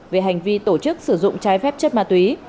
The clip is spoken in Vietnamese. về hành vi tổ chức sử dụng trái phép chất ma túy